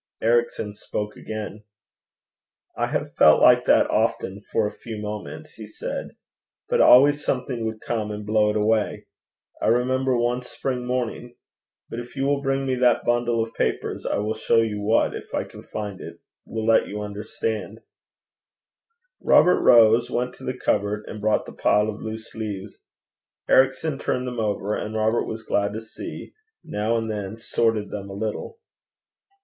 Ericson spoke again. 'I have felt like that often for a few moments,' he said; 'but always something would come and blow it away. I remember one spring morning but if you will bring me that bundle of papers, I will show you what, if I can find it, will let you understand ' Robert rose, went to the cupboard, and brought the pile of loose leaves. Ericson turned them over, and, Robert was glad to see, now and then sorted them a little.